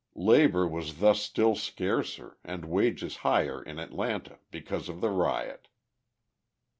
Labour was thus still scarcer and wages higher in Atlanta because of the riot.